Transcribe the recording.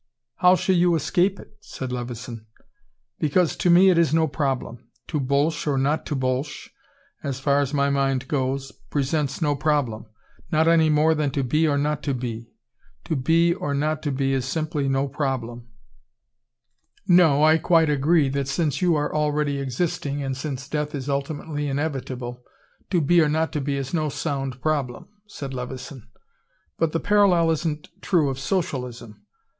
"How shall you escape it?" said Levison. "Because to me it is no problem. To Bolsh or not to Bolsh, as far as my mind goes, presents no problem. Not any more than to be or not to be. To be or not to be is simply no problem " "No, I quite agree, that since you are already existing, and since death is ultimately inevitable, to be or not to be is no sound problem," said Levison. "But the parallel isn't true of socialism.